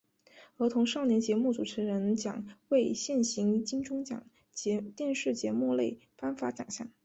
儿童少年节目主持人奖为现行金钟奖电视节目类颁发奖项。